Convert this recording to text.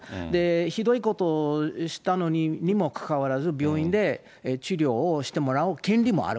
ひどいことをしたのにもかかわらず、病院で治療をしてもらう権利もある。